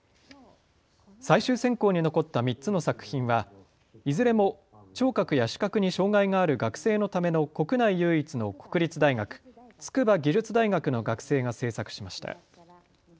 最終選考に残った３つの作品はいずれも聴覚や視覚に障害がある学生のための国内唯一の国立大学、筑波技術大学の学生が制作しました。